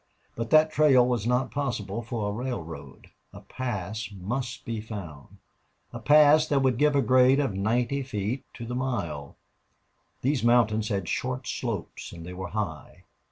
But that trail was not possible for a railroad. A pass must be found a pass that would give a grade of ninety feet to the mile. These mountains had short slopes, and they were high.